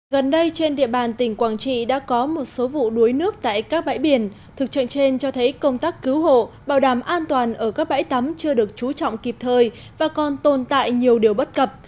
gần đây trên địa bàn tỉnh quảng trị đã có một số vụ đuối nước tại các bãi biển thực trận trên cho thấy công tác cứu hộ bảo đảm an toàn ở các bãi tắm chưa được trú trọng kịp thời và còn tồn tại nhiều điều bất cập